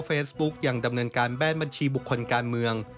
เฟซบุ๊กยังดำเนินการแบนบัญชีบุคคลการเมือง